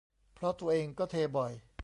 เพราะตัวเองก็เทบ่อย